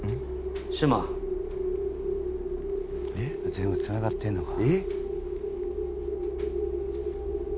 全部つながってんのか。